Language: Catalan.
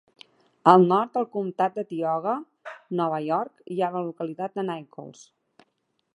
Al nord, al comtat de Tioga, Nova York, hi ha la localitat de Nichols.